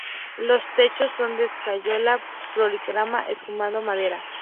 Los techos son de escayola policromada emulando madera.